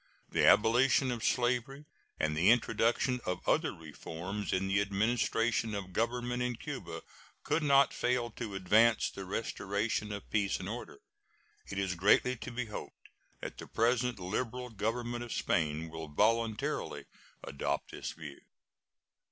The abolition of slavery and the introduction of other reforms in the administration of government in Cuba could not fail to advance the restoration of peace and order. It is greatly to be hoped that the present liberal Government of Spain will voluntarily adopt this view.